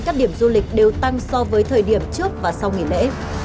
các điểm du lịch đều tăng so với thời điểm trước và sau nghỉ lễ